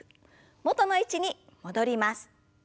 元の位置に戻ります。